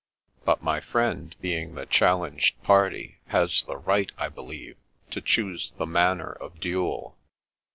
" But my friend, being the challenged party, has the right, I believe, to choose the manner of duel."